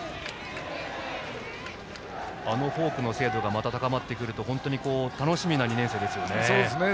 フォークの精度が高まってくると楽しみな２年生ですね。